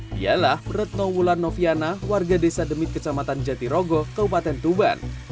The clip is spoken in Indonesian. dialah retno wulan nofiana warga desa demit kecamatan jati rogo keupatan tuban